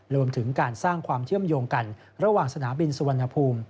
รวมถึงการสร้างความเชื่อมโยงกันระหว่างสนามบินสุวรรณภูมิ